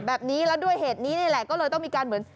แบบนี้แล้วด้วยเหตุนี้นี่แหละก็เลยต้องมีการเหมือน